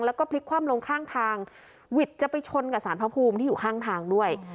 แล้วก็พลิกคว่ำลงข้างทางวิทย์จะไปชนกับสารพระภูมิที่อยู่ข้างทางด้วย